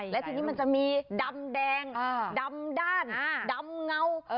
และทีนี้มันจะมีดำแดงดำด้านดำเงา